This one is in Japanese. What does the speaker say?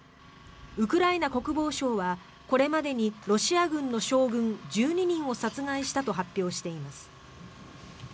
ウクライナ国防省はこれまでにロシア軍の将軍１２人を殺害したと発表しています。